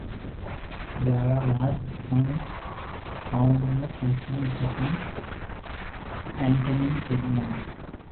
There are large spines found on the first and second antennal segments.